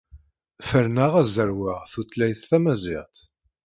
Ferneɣ ad zerweɣ tutlayt tamaziɣt.